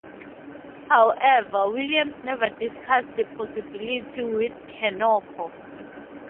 However, Williams never discussed the possibility with Konerko.